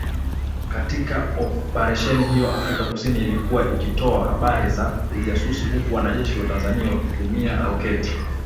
Katika Oparesheni hiyo Afrika kusini ilikuwa ikitoa habari za ujasusi huku wanajeshi wa Tanzania wakitumia roketi